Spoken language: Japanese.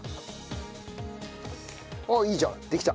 あっいいじゃん。できた。